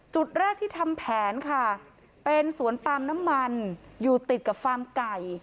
จุดแรกที่ทำแผนค่ะเป็นสวนปาล์มน้ำมันอยู่ติดกับฟาร์มไก่